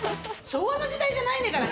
昭和の時代じゃないんだから。